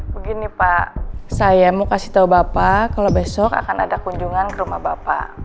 begini pak saya mau kasih tahu bapak kalau besok akan ada kunjungan ke rumah bapak